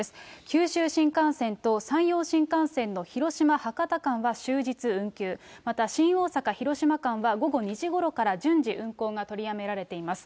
九州新幹線と山陽新幹線の広島・博多間は終日運休、また、新大阪・広島間は午後２時ごろから順次運行が取りやめられています。